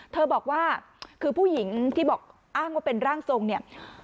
เธอบอกว่าคือผู้หญิงที่บอกอ้างว่าเป็นร่างทรงเนี่ย